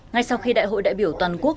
ngay sau khi đại hội đại biểu toàn quốc